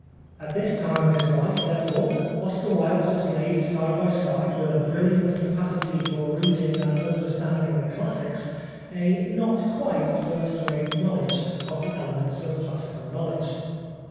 At this time of his life, therefore, Oscar Wilde displayed side by side, with a brilliant capacity for reading and understanding the classics, a not quite first rate knowledge of the elements of classical knowledge.